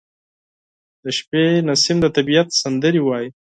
• د شپې نسیم د طبیعت سندرې وايي.